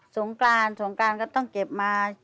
งกรานสงการก็ต้องเก็บมา